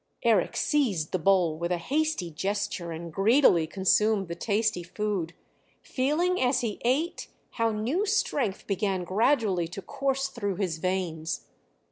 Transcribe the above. Eric seized the bowl with a hasty gesture, and greedily consumed the tasty food, feeling as he ate how new strength began gradually to course through his veins.